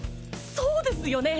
そうですよね